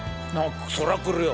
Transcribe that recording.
そら来るよ。